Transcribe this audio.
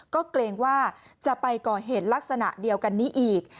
ก็เกรงว่าจะไปก่อเหตุลักษณะเดียวกันนี้อีก